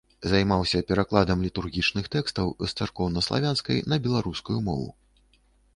Займаўся перакладам літургічных тэкстаў з царкоўнаславянскай на беларускую мову.